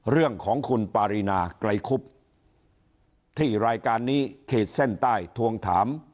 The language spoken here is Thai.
เรื่องของคุณปารีนาไกรคุบที่รายการนี้ขีดเส้นใต้ทวงถาม